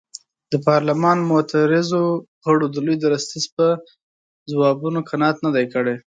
د پارلمان معترضو غړو د لوی درستیز په ځوابونو قناعت نه دی کړی.